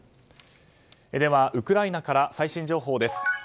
ではウクライナから最新情報です。